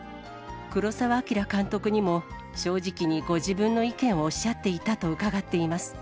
黒澤明監督にも、正直にご自分の意見をおっしゃっていたと伺っています。